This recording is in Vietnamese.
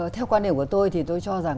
theo quan điểm của tôi thì tôi cho rằng